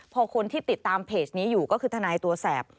พอคนที่ติดตามเพจนี้อยู่ก็คือทนายตัวแสบ